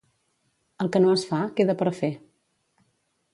El que no es fa, queda per fer.